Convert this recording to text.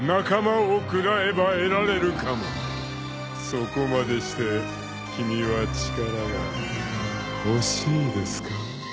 ［そこまでして君は力が欲しいですか？］